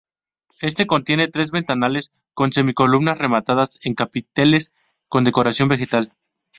Este contiene tres ventanales con semicolumnas rematadas en capiteles con decoración vegetal.